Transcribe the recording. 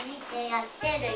やってるよ